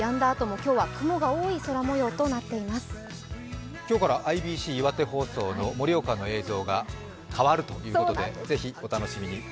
今日からＩＢＣ岩手放送の盛岡の映像が変わるということでぜひお楽しみに。